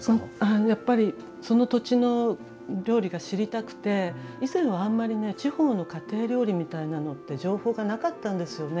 やっぱりその土地の料理が知りたくて以前はあんまりね地方の家庭料理みたいなのって情報がなかったんですよね。